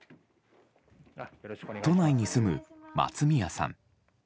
都内に住む松宮さん。